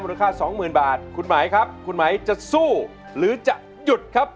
ราคาสองหมื่นบาทคุณหมายครับคุณหมายจะสู้หรือจะหยุดครับ